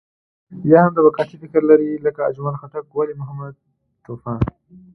يا هم طبقاتي فکر لري لکه اجمل خټک، ولي محمد طوفان.